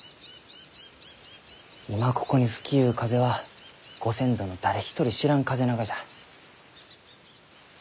今ここに吹きゆう風はご先祖の誰一人知らん風ながじゃ。